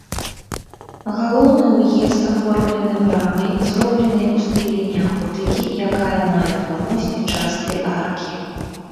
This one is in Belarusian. Галоўны ўезд аформлены брамай, зробленай у стылі неаготыкі, якая мае форму спічастай аркі.